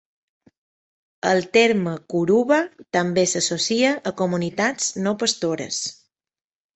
El terme kuruba també s'associa a comunitats no pastores.